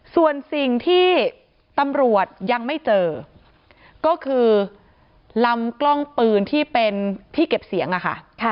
ส่วนสิ่งที่ตำรวจยังไม่เจอก็คือลำกล้องปืนที่เป็นที่เก็บเสียงอะค่ะ